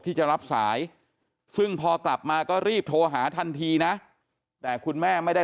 ที่จะรับสายซึ่งพอกลับมาก็รีบโทรหาทันทีนะแต่คุณแม่ไม่ได้